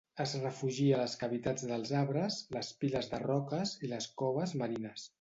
Es refugia a les cavitats dels arbres, les piles de roques i les coves marines.